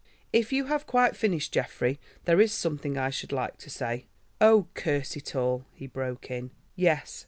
"If you have quite finished, Geoffrey, there is something I should like to say——" "Oh, curse it all!" he broke in. "Yes?"